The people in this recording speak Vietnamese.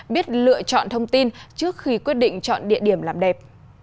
biết lựa chọn thông tin trước khi quyết định chọn địa điểm làm đẹp